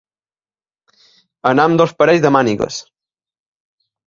Anar amb dos parells de mànigues.